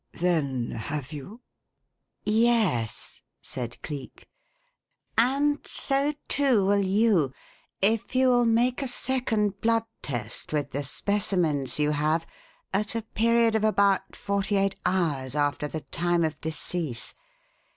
Then, have you?" "Yes," said Cleek. "And so, too, will you, if you will make a second blood test, with the specimens you have, at a period of about forty eight hours after the time of decease.